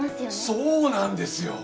そうなんですよ！